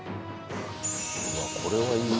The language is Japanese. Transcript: わあこれはいい。